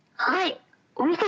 はい。